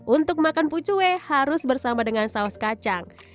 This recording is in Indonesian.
untuk makan pucuwe harus bersama dengan saus kacang